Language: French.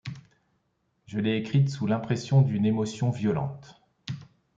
Je l’ai écrite sous l’impression d’une émotion violente.